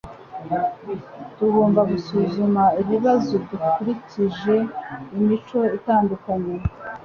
Tugomba gusuzuma ikibazo dukurikije imico itandukanye